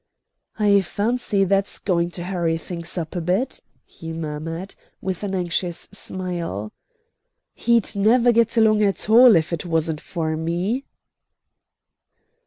"I fancy that's going to hurry things up a bit," he murmured, with an anxious smile; "he'd never get along at all if it wasn't for me."